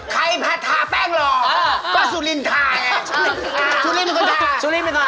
ใครทาแป้งรอก็สิรินทราแหละ